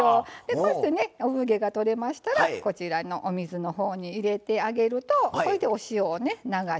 こうしてね産毛が取れましたらこちらのお水のほうに入れてあげるとこれでお塩を流してあげます。